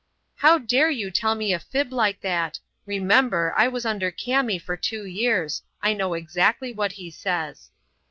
"How dare you tell me a fib like that? Remember, I was under Kami for two years. I know exactly what he says."